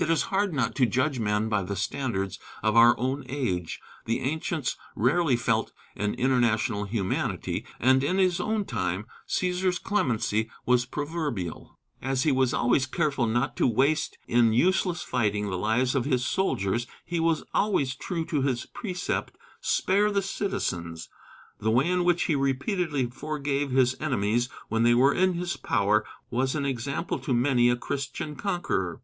It is hard not to judge men by the standards of our own age. The ancients rarely felt an international humanity, and in his own time "Cæsar's clemency" was proverbial. As he was always careful not to waste in useless fighting the lives of his soldiers, so he was always true to his own precept, "Spare the citizens." The way in which he repeatedly forgave his enemies when they were in his power was an example to many a Christian conqueror.